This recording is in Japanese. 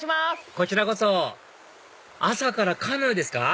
こちらこそ朝からカヌーですか？